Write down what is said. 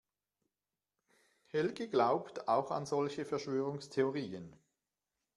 Helge glaubt auch an solche Verschwörungstheorien.